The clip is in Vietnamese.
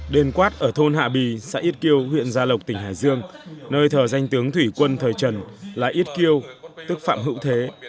đền quát ở thôn hạ bì xã ít kiêu huyện gia lộc tỉnh hải dương nơi thờ danh tướng thủy quân thời trần là ít kiêu tức phạm hữu thế